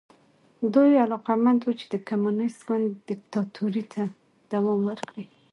دوی علاقمند وو چې د کمونېست ګوند دیکتاتورۍ ته دوام ورکړي.